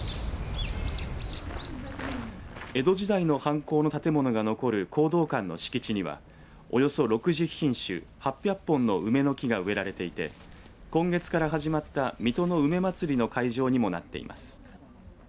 江戸時代の藩校の建物が残る弘道館の敷地にはおよそ６０品種８００本の梅の木が植えられていて今月から始まった水戸の梅まつりの会場にもなっています。